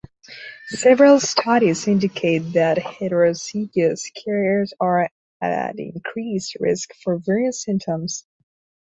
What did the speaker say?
Several studies indicate that heterozygous carriers are at increased risk for various symptoms.